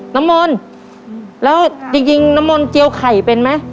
น้ำมนต์แล้วจริงจริงน้ำมนต์เจียวไข่เป็นไหม